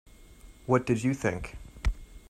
What did you think?